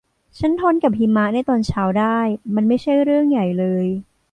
ฉันทนกับหิมะในตอนเช้าได้ มันไม่ใช่เรื่องใหญ่เลย